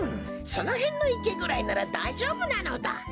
そのへんのいけぐらいならだいじょうぶなのだ。